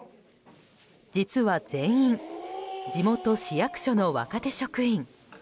実は全員地元市役所の若手職員。